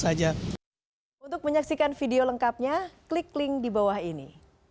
hai untuk menyaksikan video lengkapnya klik link di bawah ini